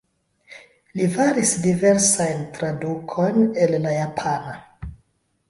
Li faris diversajn tradukojn el la japana.